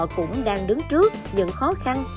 cũng đang đứng trước những khó khăn